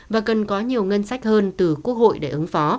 và cần có nhiều ngân sách hơn từ quốc hội để sử dụng